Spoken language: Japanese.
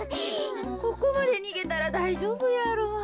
ここまでにげたらだいじょうぶやろ。